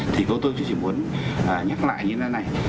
thì tôi chỉ muốn nhắc lại như thế này